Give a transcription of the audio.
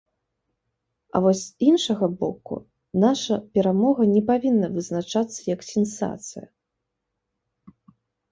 А вось з іншага боку, наша перамога не павінна вызначацца як сенсацыя.